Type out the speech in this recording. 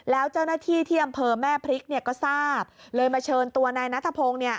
แล้วเจ้าหน้าที่ที่อำเภอแม่พริกเนี่ยก็ทราบเลยมาเชิญตัวนายนัทพงศ์เนี่ย